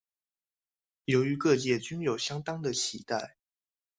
由於各界均有相當的期待